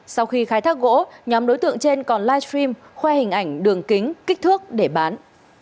sau khi khai thác gỗ nhóm đối tượng trên còn livestream khoe hình ảnh đường kính kích thước để bán